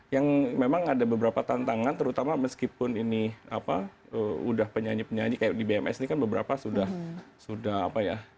yang memang ada beberapa tantangan terutama meskipun ini apa udah penyanyi penyanyi kayak di bms ini kan beberapa sudah apa ya